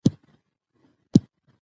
ماشومان باید ونې وکرې ترڅو هوا پاکه شي.